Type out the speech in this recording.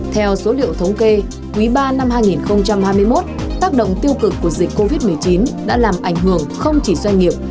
theo số liệu thống kê quý ba năm hai nghìn hai mươi một tác động tiêu cực của dịch covid một mươi chín đã làm ảnh hưởng không chỉ doanh nghiệp